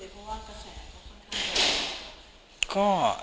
เพราะว่ากระแสก็ค่อนข้างเยอะ